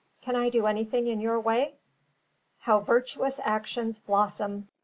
Can I do anything in your way?" How virtuous actions blossom!